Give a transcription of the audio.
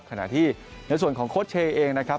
ขณะที่ในส่วนของโค้ชเชย์เองนะครับ